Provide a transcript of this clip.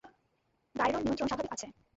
গায়রোর নিয়ন্ত্রণ স্বাভাবিক আছে।